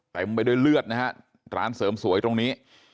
เต็มไปด้วยเลือดนะฮะร้านเสริมสวยตรงนี้